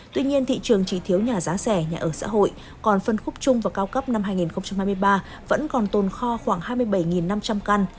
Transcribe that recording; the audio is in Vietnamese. tuy nhiên thị trường chỉ thiếu nhà giá rẻ nhà ở xã hội còn phân khúc chung và cao cấp năm hai nghìn hai mươi ba vẫn còn tồn kho khoảng hai mươi bảy năm trăm linh căn